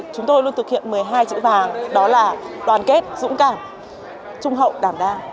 chúng tôi luôn thực hiện một mươi hai chữ vàng đó là đoàn kết dũng cảm trung hậu đảm đa